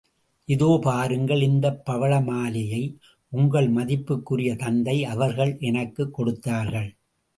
இதோ, பாருங்கள், இந்தப் பவளமாலையை உங்கள் மதிப்புக்குரிய தந்தை அவர்கள் எனக்குக் கொடுத்தார்கள்.